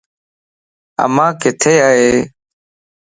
امان ڪٿي ائي